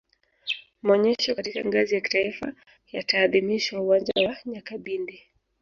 maonyesho katika ngazi ya kitaifa yataadhimishwa uwanja wa nyakabindi